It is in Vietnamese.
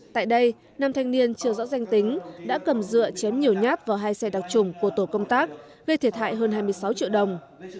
tại đây năm thanh niên chưa rõ danh tính đã cầm dựa chém nhiều nhát vào hai xe đặc trùng của tổ công tác gây thiệt hại hơn hai mươi sáu triệu đồng